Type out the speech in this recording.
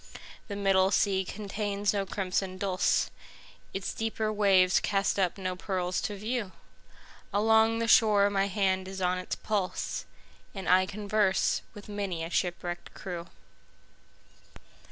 The middle sea contains no crimson dulse, Its deeper waves cast up no pearls to view; Along the shore my hand is on its pulse, And I converse with many a shipwrecked crew.